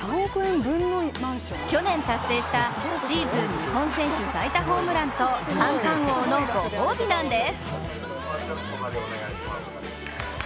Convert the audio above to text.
去年達成したシーズン日本選手最多ホームランと三冠王のご褒美なんです！